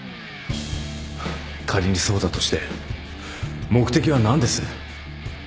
仮にそうだとして目的は何です？